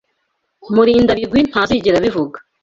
Murindabigwi ntazigera abivuga.